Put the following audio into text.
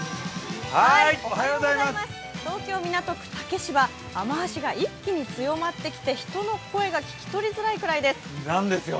東京・港区竹芝、雨足が一気に強まってきて人の声が聞き取りづらいぐらいです。